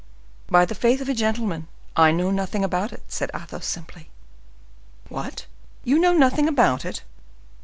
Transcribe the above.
"By the faith of a gentleman, I know nothing about it," said Athos, simply. "What! you know nothing about it?"